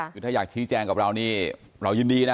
คือถ้าอยากชี้แจงกับเรานี่เรายินดีนะ